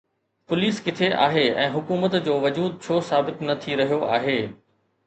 Police ڪٿي آهي ۽ حڪومت جو وجود ڇو ثابت نه ٿي رهيو آهي؟